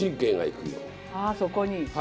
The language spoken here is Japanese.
あそこに。